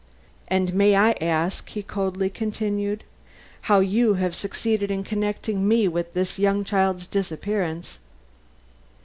"And may I ask," he coldly continued, "how you have succeeded in connecting me with this young child's disappearance?"